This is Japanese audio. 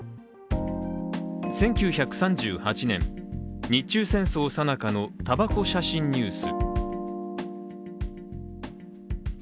１９３８年、日中戦争さなかのたばこ写真ニュース。